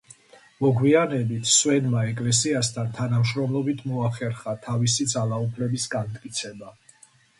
მოგვიანებით, სვენმა ეკლესიასთან თანამშრომლობით მოახერხა თავისი ძალაუფლების განმტკიცება.